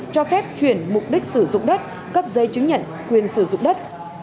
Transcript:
cho phép chuyển mục đích sử dụng đất cấp giấy chứng nhận quyền sử dụng đất